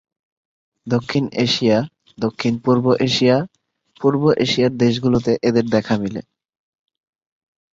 দক্ষিণ এশিয়া, দক্ষিণ পূর্ব এশিয়া, পূর্ব এশিয়ার দেশ গুলোতে এদের দেখা মিলে।